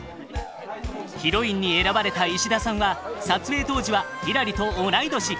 ヒロインに選ばれた石田さんは撮影当時はひらりと同い年。